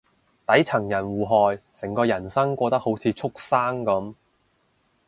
底層人互害，成個人生過得好似畜生噉